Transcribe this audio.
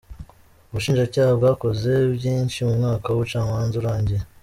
Ubushinjacyaha bwakoze byinshi mu mwaka w’Ubucamanza urangiye.